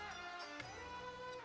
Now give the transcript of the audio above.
aku mau ke rumah